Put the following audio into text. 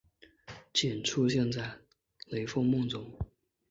仅出现在雷凰梦中。